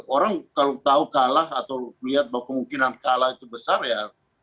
orang kalau tahu kalah atau melihat bahwa kemungkinan kalah itu besar ya